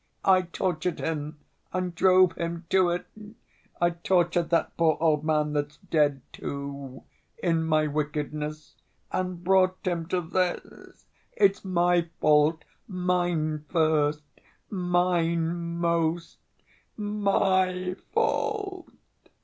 I tortured him and drove him to it. I tortured that poor old man that's dead, too, in my wickedness, and brought him to this! It's my fault, mine first, mine most, my fault!"